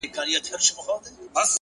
مثبت فکر د ارام ذهن سرچینه ده,